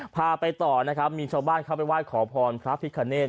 พาไปต่อนะครับมีชาวบ้านเข้าไปไหว้ขอพรพระพิคเนต